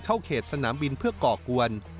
เข้าเขตสนามบินเพื่อก่อกวน